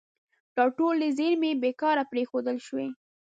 دا ټولې زیرمې بې کاره پرېښودل شوي.